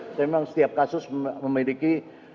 itu memang setiap kasus memiliki